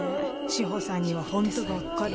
志保さんにはホントがっかり。